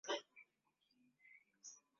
ambaye ni mroho wa madaraka wa kiwango hicho